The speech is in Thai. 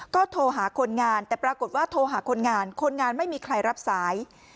ก็โทรหาคนงานแต่ปรากฏว่าโทรหาคนงานคนงานไม่มีใครรับสาย